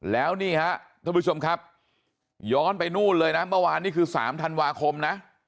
แล้วนี่ฮะท่านผู้ชมครับย้อนไปนู่นเลยนะเมื่อวานนี้คือ๓ธันวาคมนะ